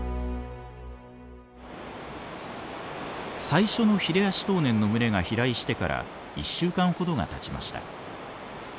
最初のヒレアシトウネンの群れが飛来してから１週間ほどがたちました。